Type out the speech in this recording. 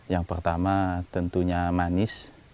yang pertama tentunya manis